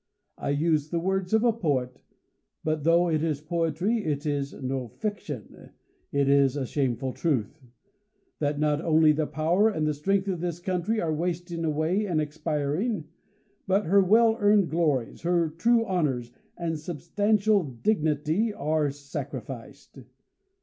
I use the words of a poet; but though it is poetry, it is no fiction. It is a shameful truth, that not only the power and strength of this country are wasting away and expiring ; but her well earned glories, her true honors, and substantial dignity, are sacrificed.